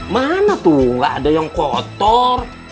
mana tuh gak ada yang kotor